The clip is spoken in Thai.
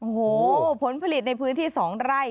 โอ้โหผลผลิตในพื้นที่๒ไร่